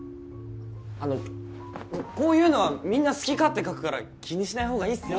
あのこういうのはみんな好き勝手書くから気にしない方がいいっすよ。